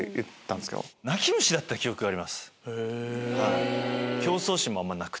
へぇ。